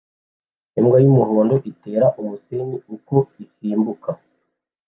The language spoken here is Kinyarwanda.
Imbwa y'umuhondo itera umusenyi uko isimbuka